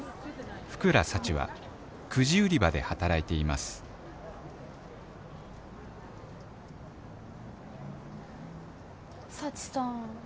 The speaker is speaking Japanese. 福良幸はくじ売り場で働いています幸さん。